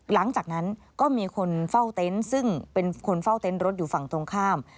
หลังจากนั้นก็มีคนเฝ้าเต็นต์ซึ่งเป็นคนเฝ้าเต็นต์รถอยู่ฝั่งตรงข้าม